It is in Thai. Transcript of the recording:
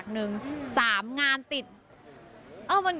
จังหวะดีจัง